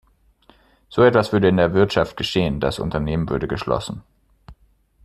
So etwas würde in der Wirtschaft geschehen das Unternehmen würde geschlossen.